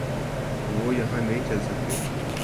وہ یہاں نہیں چل سکتے۔